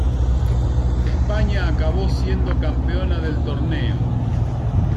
España acabó siendo campeona del torneo.